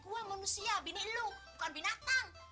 gua manusia binik lo bukan binatang